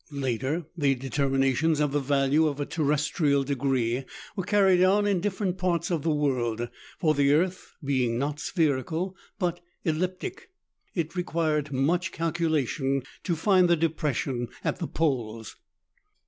Later, the determinations of the value of a terrestrial degree were carried on in different parts of the world, for the earth being not spherical, but elliptic, it required much calculation to find the depression at the poles.